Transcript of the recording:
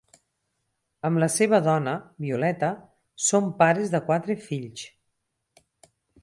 Amb la seva dona, Violeta, són pares de quatre fills.